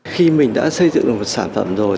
khi mình đã xây dựng một sản phẩm rồi